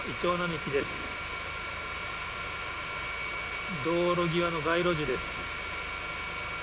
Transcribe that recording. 道路際の街路樹です。